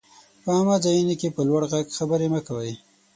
په عامه ځايونو کي په لوړ ږغ خبري مه کوئ!